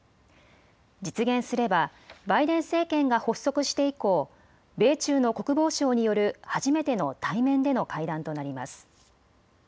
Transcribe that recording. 実現すればバイデン政権が発足して以降米中の国防相による初めての対面での会談となります。